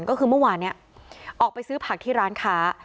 ก็คือเมื่อวานนี้ออกไปซื้อผักที่ร้านค้า